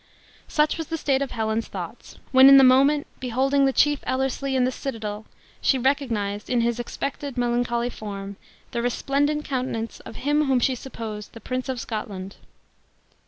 Such was the state of Helen's thoughts, when in the moment beholding the chief Ellerslie in the citadel she recognized, in his expected melancholy form, the resplendent countenance of him whom she supposed the prince of Scotland.